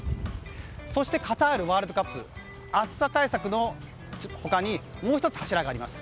そして、カタールワールドカップ暑さ対策の他にもう１つ柱があります。